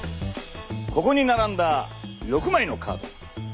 ここに並んだ６枚のカード。